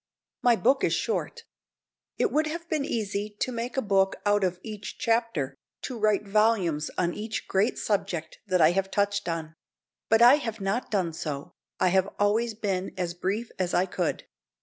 My book is short. It would have been easy to make a book out of each chapter, to write volumes on each great subject that I have touched on; but I have not done so I have always been as brief as I could.